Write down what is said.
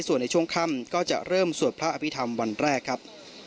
ส่วนในช่วงค่ำก็จะเริ่มสวดพระอภิษฐรรมวันแรกครับ